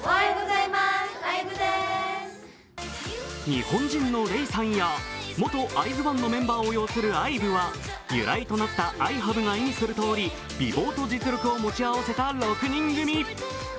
日本人のレイさんや元ＩＺ＊ＯＮＥのメンバーを擁するＩＶＥは由来となったＩＨＡＶＥが意味するとおり、美貌と実力を持ち合わせた６人組。